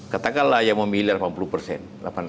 katakanlah yang memilih delapan puluh persen